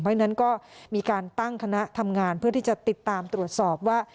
เพราะฉะนั้นก็มีการตั้งคณะทำงานเพื่อที่จะติดตามตรวจสอบว่า